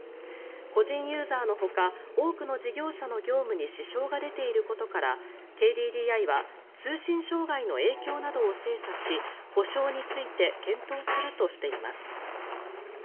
個人ユーザーのほか多くの事業者の業務に支障が出ていることからＫＤＤＩは通信障害の影響などを精査し補償について検討するとしています。